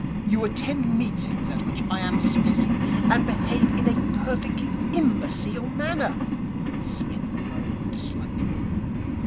'You attend meetings at which I am speaking, and behave in a perfectly imbecile manner.' Psmith moaned slightly.